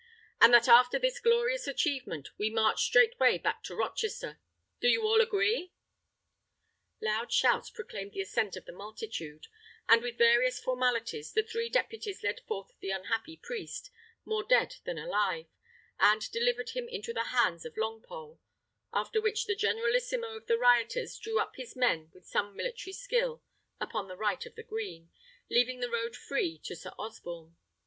And that after this glorious achievement we march straightway back to Rochester. Do you all agree?" Loud shouts proclaimed the assent of the multitude; and with various formalities the three deputies led forth the unhappy priest, more dead than alive, and delivered him into the hands of Longpole: after which the generalissimo of the rioters drew up his men with some military skill upon the right of the green, leaving the road free to Sir Osborne.